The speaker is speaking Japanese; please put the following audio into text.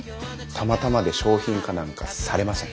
たまたまで商品化なんかされません。